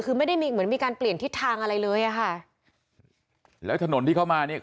คือไม่ได้มีเหมือนมีการเปลี่ยนทิศทางอะไรเลยอ่ะค่ะแล้วถนนที่เข้ามาเนี่ย